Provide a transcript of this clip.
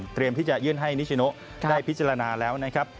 ที่จะยื่นให้นิชโนได้พิจารณาแล้วนะครับ